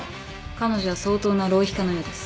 彼女は相当な浪費家のようです。